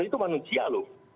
itu manusia loh